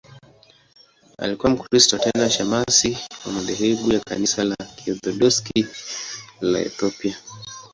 Alikuwa Mkristo, tena shemasi wa madhehebu ya Kanisa la Kiorthodoksi la Ethiopia.